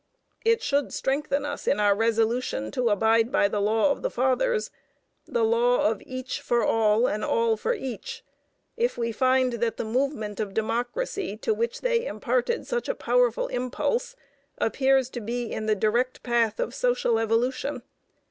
It should strengthen us in our resolution to abide by the Law of the Fathers the law of each for all, and all for each if we find that the movement of democracy to which they imparted such a powerful impulse appears to be in the direct path of social evolution.